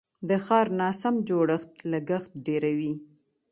د ښار ناسم جوړښت لګښت ډیروي.